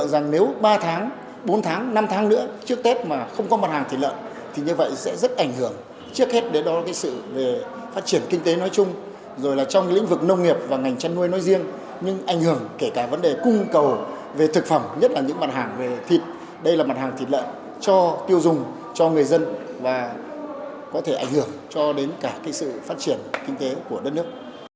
đây là mặt hàng thịt lợn cho tiêu dùng cho người dân và có thể ảnh hưởng cho đến cả sự phát triển kinh tế của đất nước